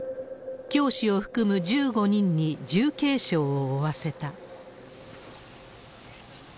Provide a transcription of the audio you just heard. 教師を含む１５人に重軽傷を負わせた。